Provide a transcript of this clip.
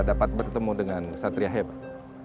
dapat bertemu dengan satria hebat